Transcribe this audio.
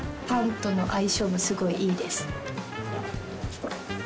パンとの相性がすごいいいです。